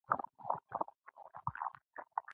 چارمغز د مغزو په پياوړتيا کې کمک کوي.